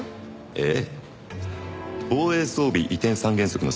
ええ。